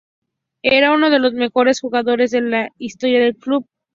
Era uno de los mejores jugadores de la historia del club.